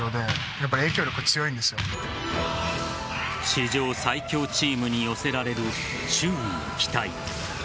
史上最強チームに寄せられる周囲の期待。